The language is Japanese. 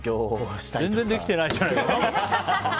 全然できてないじゃない。